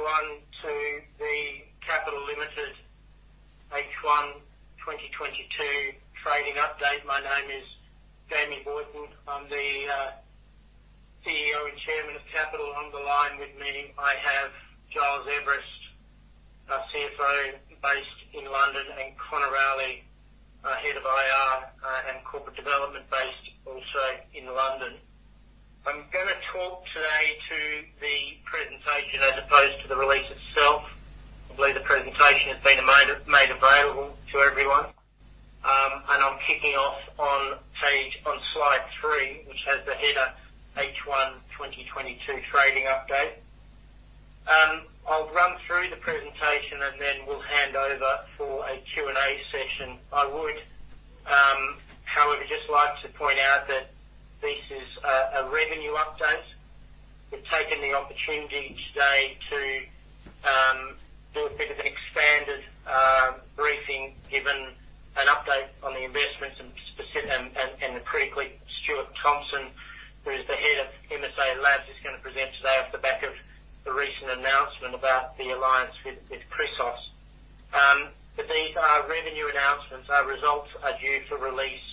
Welcome everyone to the Capital Limited H1 2022 trading update. My name is Jamie Boyton. I'm the CEO and Chairman of Capital. On the line with me, I have Giles Everist, our CFO based in London, and Conor Rowley, our Head of IR and Corporate Development, based also in London. I'm gonna talk today to the presentation as opposed to the release itself. I believe the presentation has been made available to everyone. I'm kicking off on slide three, which has the header H1 2022 Trading Update. I'll run through the presentation and then we'll hand over for a Q&A session. I would, however, just like to point out that this is a revenue update. We've taken the opportunity today to do a bit of an expanded briefing, given an update on the investments and critically, Stuart Thomson, who is the Head of MSALABS, is gonna present today off the back of the recent announcement about the alliance with Chrysos. These are revenue announcements. Our results are due for release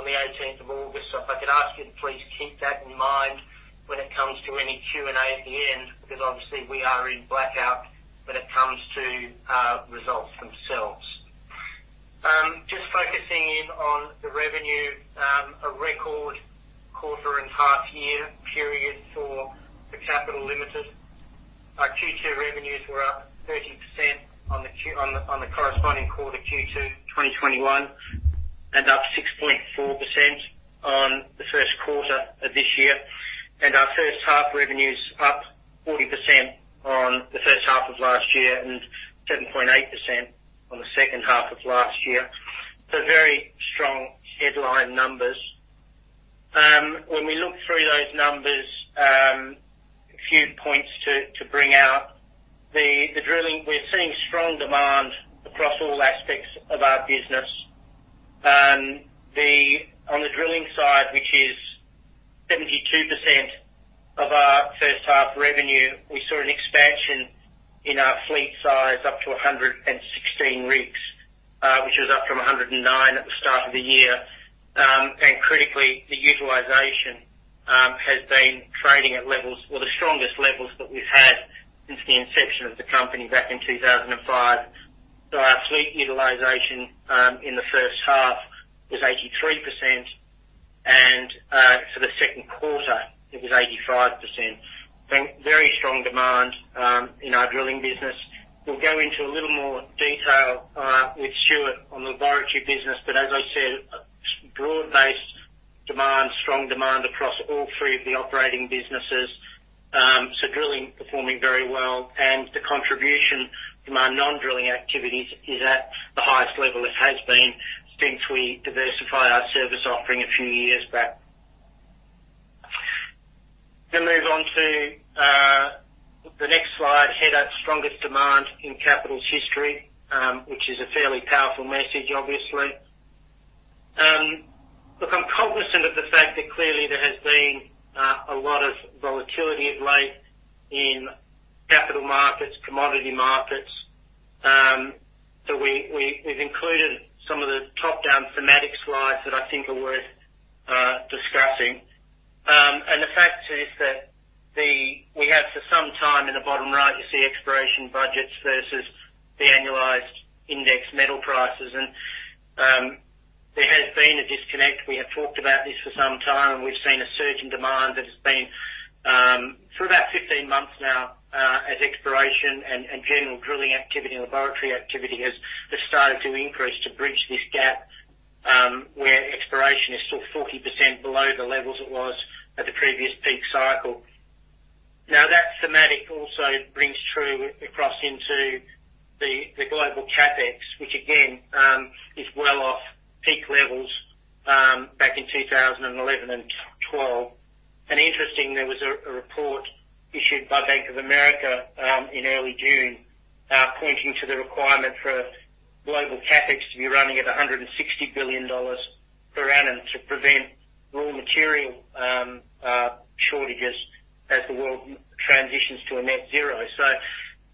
on the eighteenth of August. If I could ask you to please keep that in mind when it comes to any Q&A at the end, because obviously we are in blackout when it comes to results themselves. Just focusing in on the revenue, a record quarter and half year period for the Capital Limited. Our Q2 revenues were up 30% on the corresponding quarter Q2 2021, and up 6.4% on the first quarter of this year. Our first half revenue's up 40% on the first half of last year and 7.8% on the second half of last year. Very strong headline numbers. When we look through those numbers, a few points to bring out. The drilling, we're seeing strong demand across all aspects of our business. On the drilling side, which is 72% of our first half revenue, we saw an expansion in our fleet size up to 116 rigs, which was up from 109 at the start of the year. Critically, the utilization has been trading at levels or the strongest levels that we've had since the inception of the company back in 2005. Our fleet utilization in the first half was 83% and for the second quarter it was 85%. Very strong demand in our drilling business. We'll go into a little more detail with Stuart on the laboratory business, but as I said, broad-based demand, strong demand across all three of the operating businesses. Drilling performing very well and the contribution from our non-drilling activities is at the highest level it has been since we diversified our service offering a few years back. Gonna move on to the next slide, header, Strongest Demand in Capital's History, which is a fairly powerful message, obviously. Look, I'm cognizant of the fact that clearly there has been a lot of volatility of late in capital markets, commodity markets, so we've included some of the top-down thematic slides that I think are worth discussing. The fact is that we have for some time in the bottom right, you see exploration budgets versus the annualized index metal prices. There has been a disconnect. We have talked about this for some time, and we've seen a surge in demand that has been for about 15 months now, as exploration and general drilling activity and laboratory activity has started to increase to bridge this gap, where exploration is still 40% below the levels it was at the previous peak cycle. Now that thematic also rings true across into the global CapEx, which again is well off peak levels back in 2011 and 2012. Interesting, there was a report issued by Bank of America in early June pointing to the requirement for global CapEx to be running at $160 billion per annum to prevent raw material shortages as the world transitions to a net zero.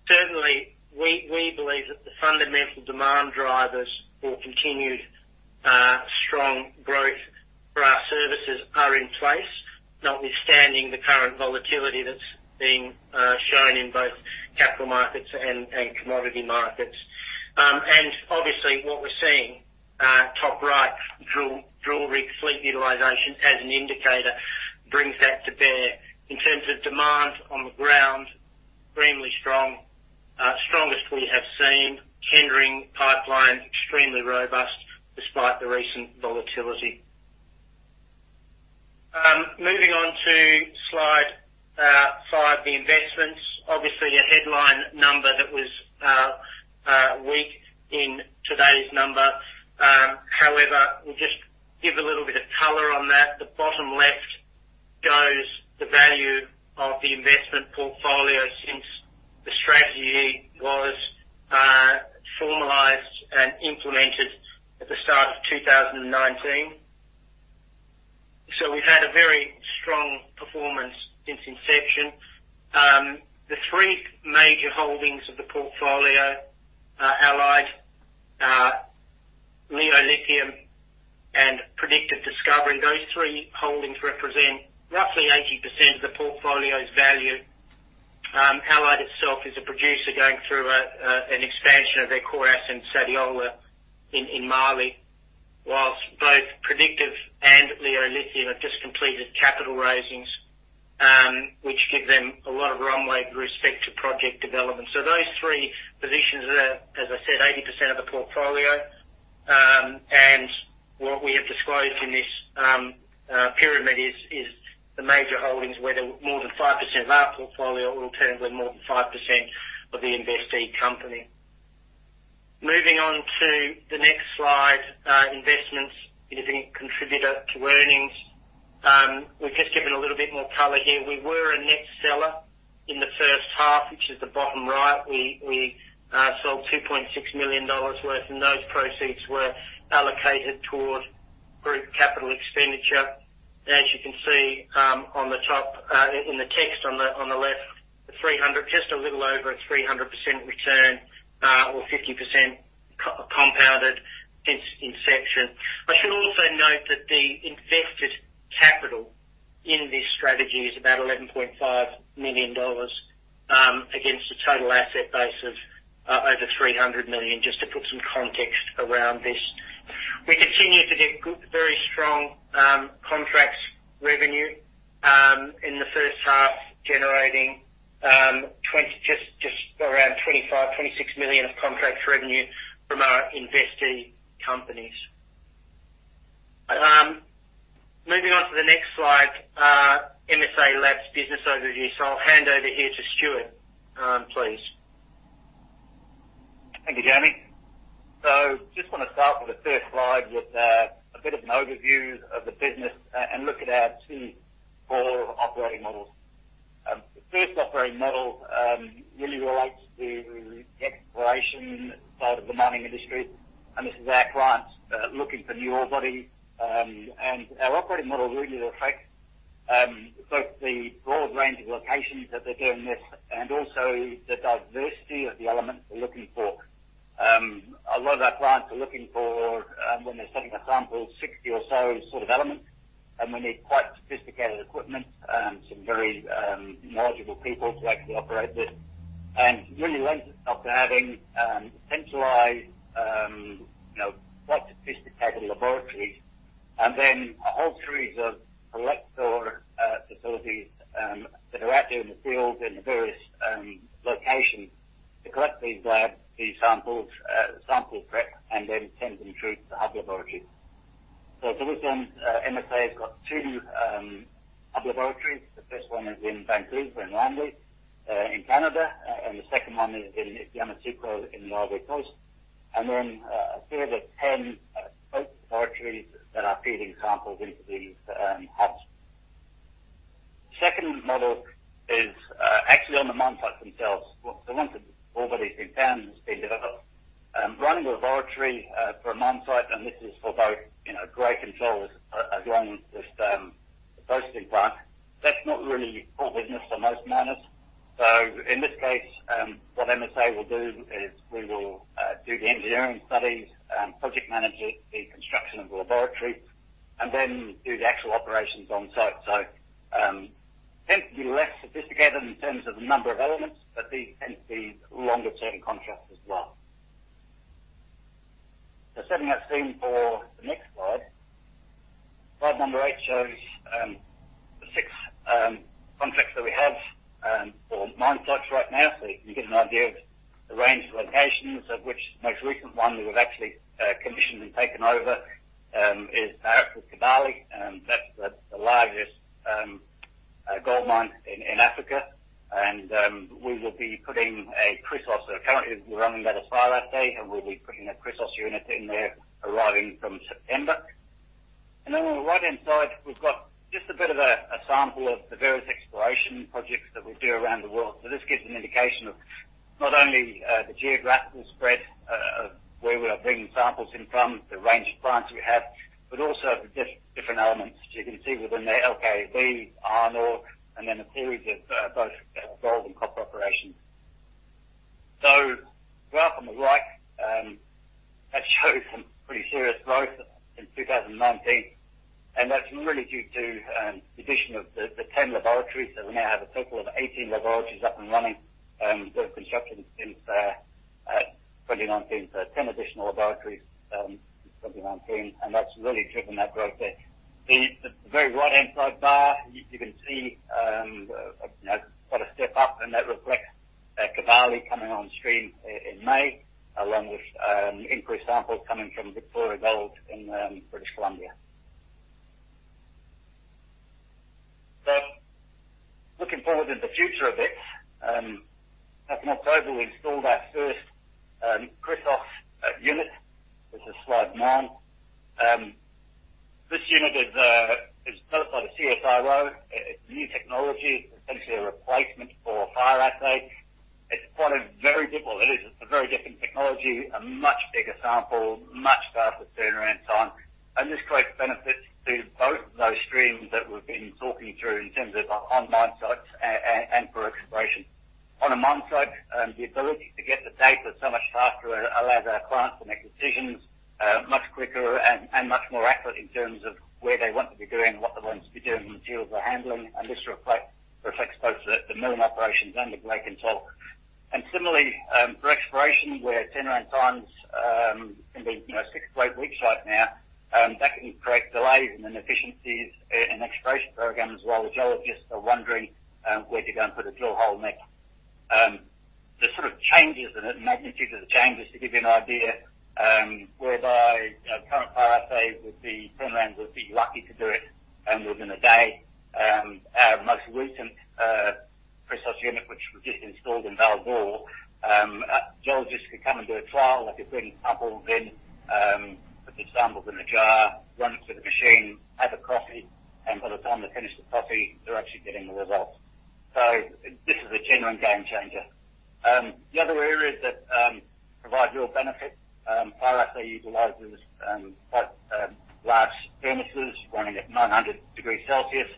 Certainly we believe that the fundamental demand drivers for continued strong growth for our services are in place, notwithstanding the current volatility that's being shown in both capital markets and commodity markets. Obviously what we're seeing top right, drill rig fleet utilization as an indicator brings that to bear. In terms of demand on the ground, extremely strong, strongest we have seen, tendering pipeline extremely robust despite the recent volatility. Moving on to slide five, the investments, obviously a headline number that was weak in today's number. However, we'll just give a little bit of color on that. The bottom left shows the value of the investment portfolio since the strategy was implemented at the start of 2019. We've had a very strong performance since inception. The three major holdings of the portfolio are Allied Gold, Leo Lithium and Predictive Discovery. Those three holdings represent roughly 80% of the portfolio's value. Allied Gold itself is a producer going through an expansion of their core assets, Sadiola in Mali. While both Predictive and Leo Lithium have just completed capital raisings, which give them a lot of runway with respect to project development. Those three positions are, as I said, 80% of the portfolio. What we have disclosed in this pyramid is the major holdings where more than 5% of our portfolio will turn to more than 5% of the investee company. Moving on to the next slide, investments is a big contributor to earnings. We've just given a little bit more color here. We were a net seller in the first half, which is the bottom right. We sold $2.6 million worth, and those proceeds were allocated toward group CapEx. As you can see, on the top, in the text on the left, 300, just a little over 300% return, or 50% compounded since inception. I should also note that the invested capital in this strategy is about $11.5 million, against a total asset base of over $300 million, just to put some context around this. We continue to get good, very strong, contract revenue, in the first half, generating, just around $25 million-$26 million of contract revenue from our investee companies. Moving on to the next slide, MSALABS business overview. I'll hand over here to Stuart, please. Thank you, Jamie. Just want to start with the first slide with a bit of an overview of the business and look at our two core operating models. The first operating model really relates to the exploration side of the mining industry, and this is our clients looking for new ore body. Our operating model really reflects both the broad range of locations that they're doing this and also the diversity of the elements we're looking for. A lot of our clients are looking for, when they're sending a sample, 60 or so sort of elements, and we need quite sophisticated equipment and some very knowledgeable people to actually operate this. It really lends itself to having centralized, you know, quite sophisticated laboratories and then a whole series of collector facilities that are out there in the field in the various locations to collect these samples, sample prep, and then send them through to the hub laboratory. To this end, MSALABS has got two hub laboratories. The first one is in Vancouver, in Langley, in Canada, and the second one is in Yamoussoukro in the Ivory Coast. A further 10 spoke laboratories are feeding samples into these hubs. Second model is actually on the mine sites themselves. Once an ore body has been found and has been developed, running a laboratory for a mine site, and this is for both, you know, grade control as well as the processing plant. That's not really core business for most miners. In this case, what MSALABS will do is we will do the engineering studies, project manage it, the construction of the laboratory, and then do the actual operations on site. Tend to be less sophisticated in terms of the number of elements, but these tend to be longer-term contracts as well. Setting that scene for the next slide. Slide number eight shows the six contracts that we have or mine sites right now. You can get an idea of the range of locations of which most recent one we have actually commissioned and taken over is Barrick's Kibali, that's the largest gold mine in Africa. We will be putting a Chrysos. Currently we're running that assay, and we'll be putting a Chrysos unit in there arriving from September. On the right-hand side, we've got just a bit of a sample of the various exploration projects that we do around the world. This gives an indication of not only the geographical spread of where we are bringing samples in from, the range of clients we have, but also the different elements. As you can see within there, LKAB, Arnold, and then a series of both gold and copper operations. Graph on the right that shows some pretty serious growth in 2019, and that's really due to the addition of the 10 laboratories. We now have a total of 18 laboratories up and running, built and constructed since 2019. 10 additional laboratories in 2019. That's really driven that growth there. The very right-hand side bar, you can see, you know, quite a step up, and that reflects Kibali coming on stream in May, along with increased samples coming from Victoria Gold in British Columbia. Looking forward into the future a bit, back in October, we installed our first Chrysos unit. This is slide 9. This unit is developed by the CSIRO. It's new technology. It's essentially a replacement for fire assay. It is a very different technology, a much bigger sample, much faster turnaround time. This creates benefits to both of those streams that we've been talking through in terms of on-site and for exploration. On a mine site, the ability to get the data so much faster allows our clients to make decisions much quicker and much more accurate in terms of where they want to be doing, what they want to be doing in terms of the handling. This reflects both the milling operations and the grade control. Similarly, for exploration, where turnaround times can be, you know, 6-8 weeks right now, that can create delays and inefficiencies in exploration programs, while geologists are wondering where to go and put a drill hole next. The sort of changes and the magnitude of the changes, to give you an idea, whereby a current fire assay turnaround would be lucky to do it within a day. Our most recent processing unit, which was just installed in Val-d'Or, geologists could come and do a trial. They could bring samples in, put the samples in a jar, run it through the machine, have a coffee, and by the time they finish the coffee, they're actually getting the results. This is a genuine game changer. The other areas that provide real benefit, fire assay utilizes quite large premises running at 900 degrees Celsius.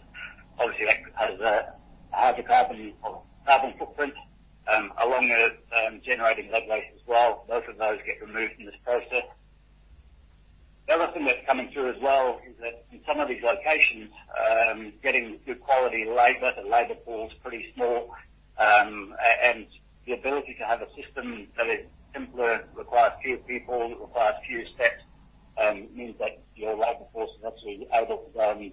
Obviously, that has a carbon footprint, along with generating lead waste as well. Both of those get removed in this process. The other thing that's coming through as well is that in some of these locations, getting good quality labor, the labor pool is pretty small. And the ability to have a system that is simpler, requires fewer people, requires fewer steps, means that your labor force is actually able to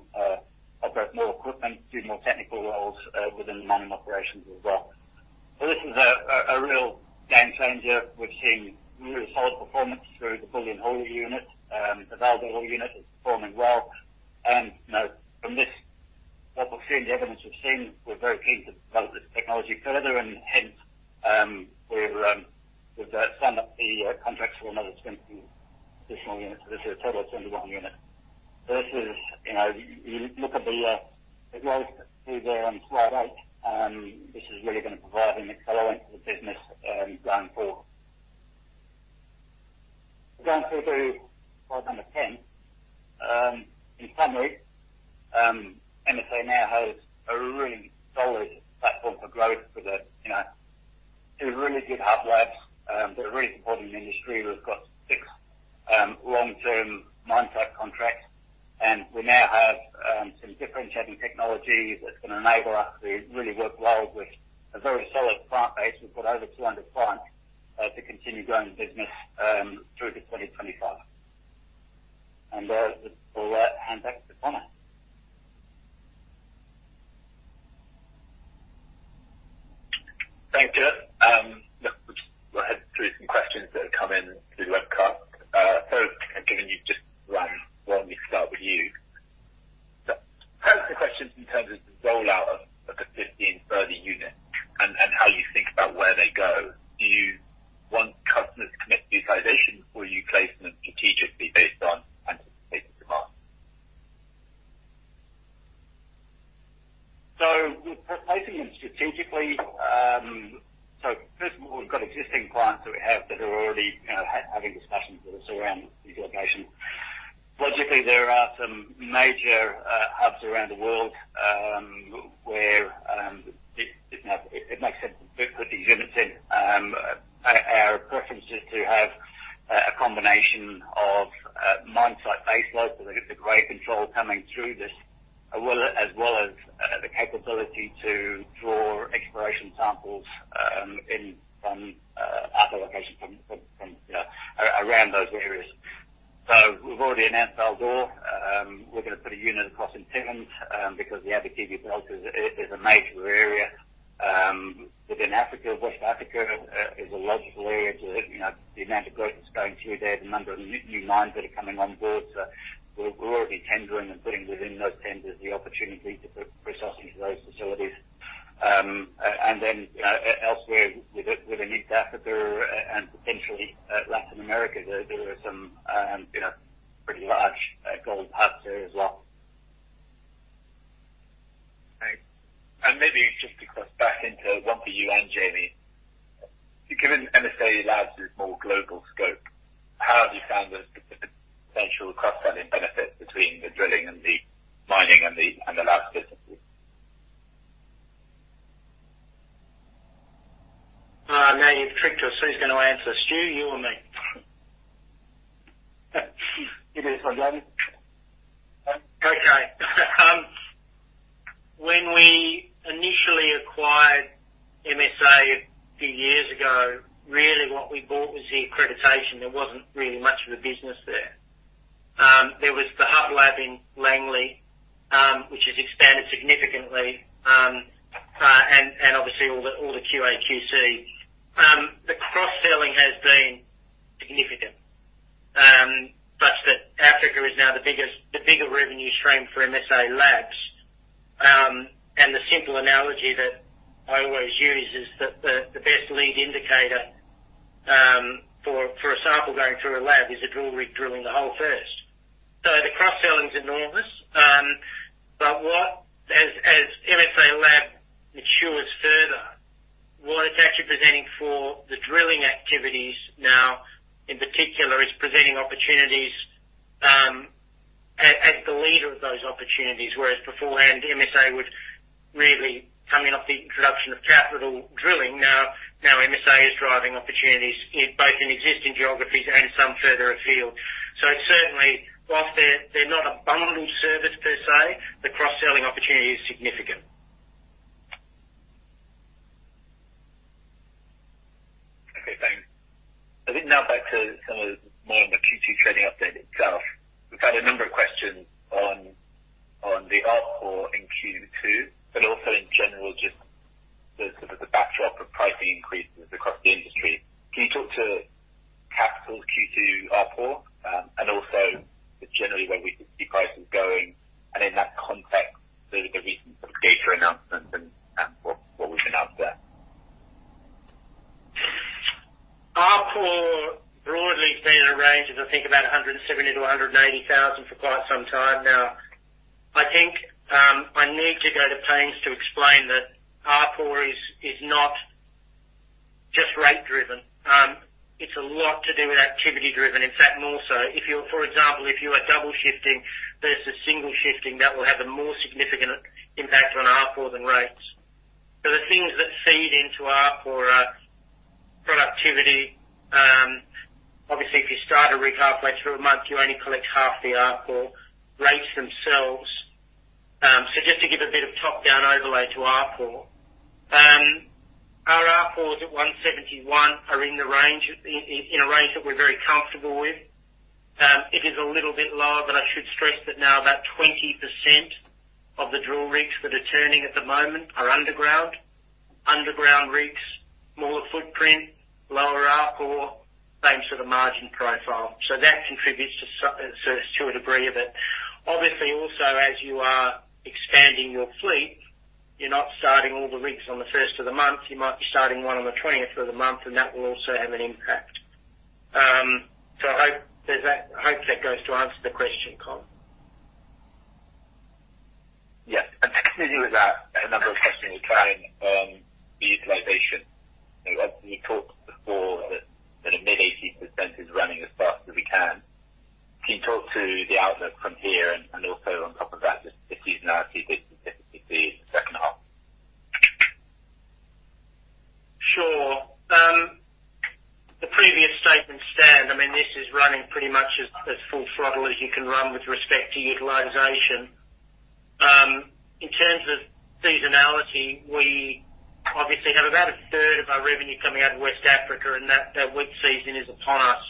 operate more equipment, do more technical roles, within the mining operations as well. This is a real game changer. We're seeing really solid performance through the Bulyanhulu unit. The Val-d'Or unit is performing well. You know, from this, what we've seen, the evidence we've seen, we're very keen to develop this technology further. Hence, we've signed up the contracts for another 20 additional units. This is a total of 21 units. Versus, you know, you look at the growth through the slide eight, this is really gonna provide an accelerant to the business going forward. Going through to slide number 10. In summary, MSALABS now has a really solid platform for growth with, you know, two really good hub labs that are really important in the industry. We've got six long-term mine site contracts, and we now have some differentiating technology that's gonna enable us to really work well with a very solid client base. We've got over 200 clients to continue growing the business through to 2025. With all that, hand back to Conor Rowley. Thank you. Look, we'll just go ahead through some questions that have come in through the webcast. Given you've just run, why don't we start with you? First, the question in terms of the rollout of 15 further units and how you think about where they go. Do you want customers to commit to utilization or you place them strategically based on anticipated demand? We're placing them strategically. First of all, we've got existing clients that we have that are already, kind of, having discussions with us around these locations. Logically, there are some major hubs around the world, where you know it makes sense to put these units in. Our preference is to have a combination of mine site baseload, so they get the grade control coming through this, as well as the capability to draw exploration samples in from other locations from you know around those areas. We've already announced Val-d'Or. We're gonna put a unit across in Timmins, because the Abitibi Belt is a major area. Within Africa, West Africa is a logical area to, you know, the amount of growth that's going through there, the number of new mines that are coming on board. We're already tendering and putting within those tenders the opportunity to put processing to those facilities. Then, elsewhere within East Africa and potentially Latin America, there are some, you know, pretty large gold hubs there as well. Right. Maybe just to cross back into one for you and Jamie. Given MSALABS' more global scope, how have you found the potential cross-selling benefits between the drilling and the mining and the labs businesses? Oh, now you've tricked us. Who's gonna answer, Stu, you or me? You get this one, Jamie. Okay. When we initially acquired MSALABS a few years ago, really what we bought was the accreditation. There wasn't really much of a business there. There was the hub lab in Langley, which has expanded significantly, and obviously all the QAQC. The cross-selling has been significant, such that Africa is now the bigger revenue stream for MSALABS. The analogy that I always use is that the best lead indicator for a sample going through a lab is a drill rig drilling the hole first. The cross-selling is enormous. As MSALABS matures further, what it's actually presenting for the drilling activities now in particular is presenting opportunities as the leader of those opportunities. Whereas beforehand, MSALABS would really come in off the introduction of Capital drilling. Now MSALABS is driving opportunities in both existing geographies and some further afield. Certainly, while they're not a bundled service per se, the cross-selling opportunity is significant. Okay, thanks. I think now back to some more on the Q2 trading update itself. We've had a number of questions on the ARPU in Q2, but also in general, just the backdrop of pricing increases across the industry. Can you talk to Capital Q2 ARPU, and also just generally where we could see prices going? In that context, the recent Geita announcement and what we can expect. ARPU broadly stay in a range of, I think, about $170 thousand-$180 thousand for quite some time now. I think, I need to go to pains to explain that ARPU is not just rate driven. It's a lot to do with activity driven. In fact, more so. If you're, for example, if you are double shifting versus single shifting, that will have a more significant impact on ARPU than rates. The things that feed into ARPU are productivity. Obviously, if you start a rig halfway through a month, you only collect half the ARPU rates themselves. Just to give a bit of top-down overlay to ARPU. Our ARPUs at $171,000 are in the range, in a range that we're very comfortable with. It is a little bit lower, but I should stress that now about 20% of the drill rigs that are turning at the moment are underground. Underground rigs, more footprint, lower ARPU, same sort of margin profile. That contributes to a degree of it. Obviously, also, as you are expanding your fleet, you're not starting all the rigs on the first of the month. You might be starting one on the twentieth of the month, and that will also have an impact. I hope there's that. I hope that goes to answer the question, Colin. Yes. Continuing with that, a number of questions we're trying on the utilization. You talked before that a mid-80% is running as fast as we can. Can you talk to the outlook from here and also on top of that, the seasonality that you typically see in the second half? The previous statements stand. I mean, this is running pretty much as full throttle as you can run with respect to utilization. In terms of seasonality, we obviously have about a third of our revenue coming out of West Africa, and that wet season is upon us.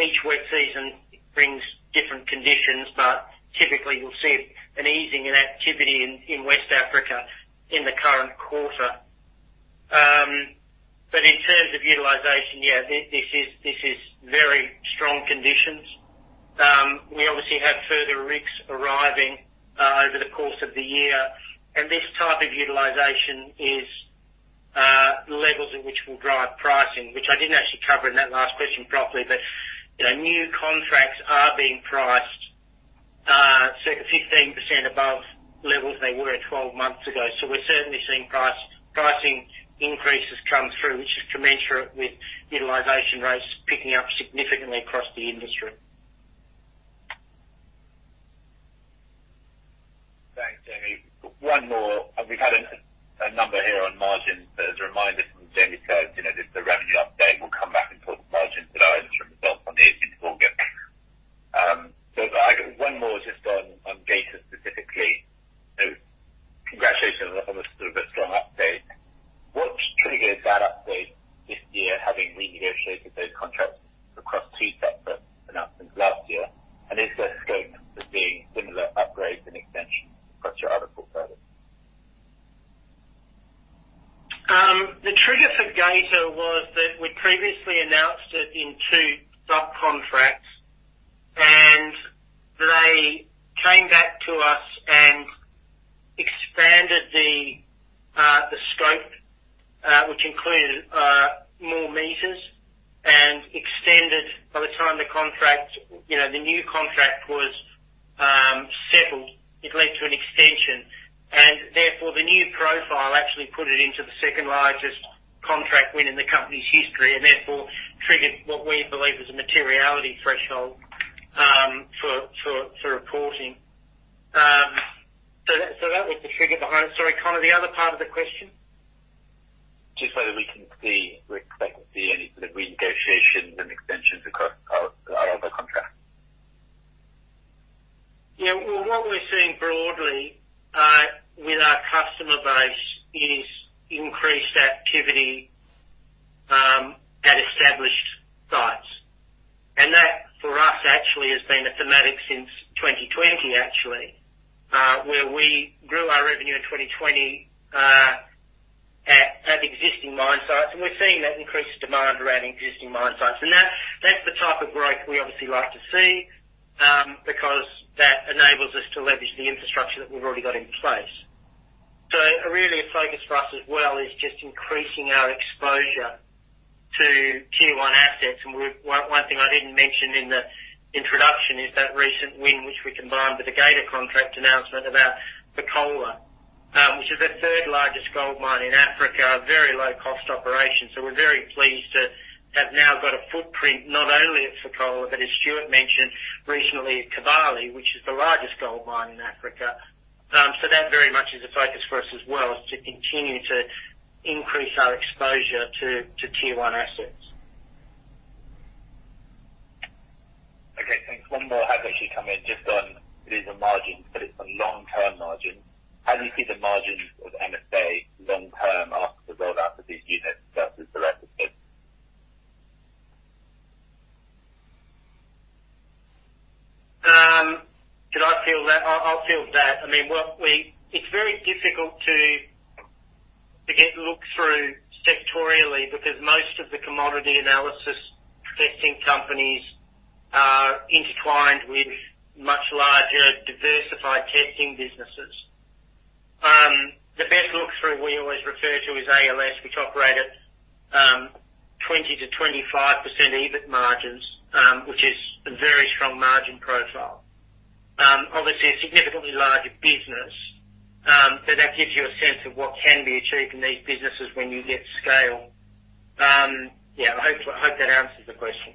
Each wet season brings different conditions, but typically you'll see an easing in activity in West Africa in the current quarter. In terms of utilization, yeah, this is very strong conditions. We obviously have further rigs arriving over the course of the year, and this type of utilization is levels in which will drive pricing, which I didn't actually cover in that last question properly. You know, new contracts are being priced certain 15% above levels they were twelve months ago. We're certainly seeing price increases come through, which is commensurate with utilization rates picking up significantly across the industry. Thanks, Jamie. One more. We've had a number here on margin. As a reminder from Jamie Boyton, you know, just the revenue update, we'll come back and talk margins in itself on the 18 call again. I got one more just on Geita specifically. Congratulations on the sort of a strong update. What triggered that update this year, having renegotiated those contracts across two separate announcements last year? And is there scope for seeing similar upgrades and extensions across your other core products? The trigger for Geita was that we previously announced it in two subcontracts, and they came back to us and expanded the scope, which included more meters and extended by the time the contract, you know, the new contract was settled, it led to an extension. Therefore, the new profile actually put it into the second largest contract win in the company's history, and therefore triggered what we believe is a materiality threshold for reporting. So that was the trigger behind. Sorry, Conor, the other part of the question. Just whether we can see, we're expecting to see any sort of renegotiations and extensions across our other contracts. Yeah. Well, what we're seeing broadly with our customer base is increased activity at established sites. That, for us, actually has been a thematic since 2020 actually, where we grew our revenue in 2020. We're seeing that increased demand around existing mine sites. That, that's the type of growth we obviously like to see, because that enables us to leverage the infrastructure that we've already got in place. Really a focus for us as well is just increasing our exposure to tier one assets. One thing I didn't mention in the introduction is that recent win, which we combined with the Geita contract announcement about Fekola, which is the third largest gold mine in Africa, a very low cost operation. We're very pleased to have now got a footprint not only at Fekola but as Stuart mentioned regionally at Kibali, which is the largest gold mine in Africa. That very much is a focus for us as well, is to continue to increase our exposure to tier one assets. Okay, thanks. One more has actually come in just on it. It is a margin, but it's a long-term margin. How do you see the margins of MSALABS long-term after the rollout of these units versus the rest of the business? Can I field that? I'll field that. I mean, it's very difficult to get look through sectorially because most of the commodity analysis testing companies are intertwined with much larger diversified testing businesses. The best look through we always refer to is ALS, which operate at 20%-25% EBIT margins, which is a very strong margin profile. Obviously a significantly larger business. That gives you a sense of what can be achieved in these businesses when you get scale. Yeah, I hope that answers the question.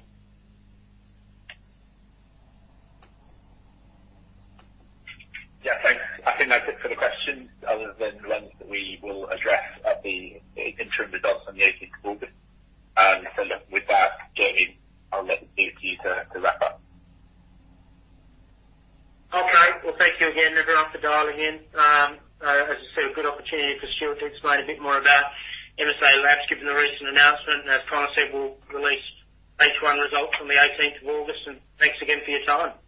Yeah, thanks. I think that's it for the questions other than the ones that we will address at the interim results on the eighteenth of August. Look, with that, Jamie Boyton, I'll leave it to you to wrap up. Okay. Well, thank you again, everyone, for dialing in. As I said, a good opportunity for Stuart to explain a bit more about MSALABS given the recent announcement. As Conor said, we'll release H1 results on the eighteenth of August. Thanks again for your time.